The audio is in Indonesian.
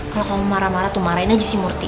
kalau kamu marah marah tuh marahin aja si murti